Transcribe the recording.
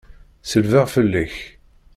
Selbeɣ fell-ak.